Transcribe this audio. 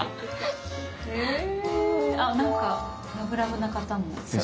あなんかラブラブな方も。